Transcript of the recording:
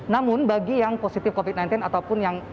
namun bagi yang positif covid sembilan belas ataupun yang